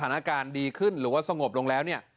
พี่คนนี้ยังไม่ได้ตัดสินใจนะว่าถ้าสมกลัวแล้วไหน